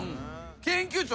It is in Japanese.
研究長。